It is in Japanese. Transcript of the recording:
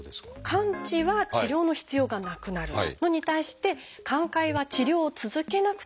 「完治」は治療の必要がなくなるのに対して「寛解」は治療を続けなくてはならない。